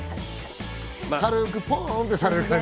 軽くポンとされる感じ。